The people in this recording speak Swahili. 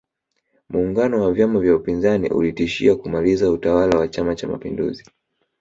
muungano wa vyama vya upinzani ulitishia kumaliza utawala wa chama cha mapinduzi